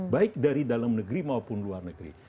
baik dari dalam negeri maupun luar negeri